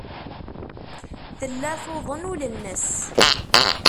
Tella tuḍen ul-nnes.